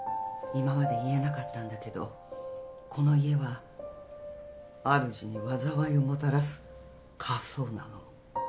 今まで言えなかったんだけどこの家はあるじに災いをもたらす家相なの。